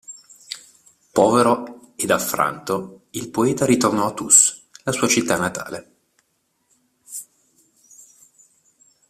Povero ed affranto, il poeta ritornò a Tus, la città natale.